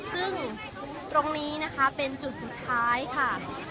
ซึ่งตรงนี้นะคะเป็นจุดสุดท้ายค่ะ